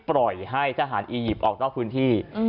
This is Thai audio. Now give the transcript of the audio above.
ปล่อยให้ทหารอียิปต์ออกนอกพื้นที่